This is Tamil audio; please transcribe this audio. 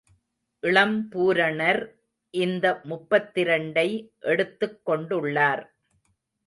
இளம்பூரணர் இந்த முப்பத்திரண்டை எடுத்துக் கொண்டுள்ளார்.